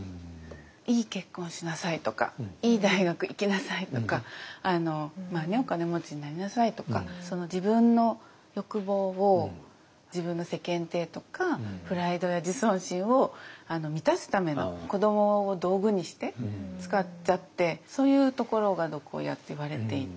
いい結婚をしなさいとかいい大学行きなさいとかまあねお金持ちになりなさいとか自分の欲望を自分の世間体とかプライドや自尊心を満たすための子どもを道具にして使っちゃってそういうところが毒親っていわれていて。